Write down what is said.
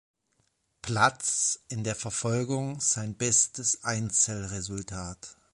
Platz in der Verfolgung sein bestes Einzelresultat.